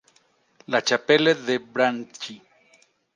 La Chapelle-de-Bragny